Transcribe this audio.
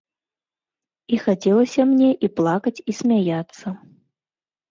І хацелася мне і плакаць і смяяцца.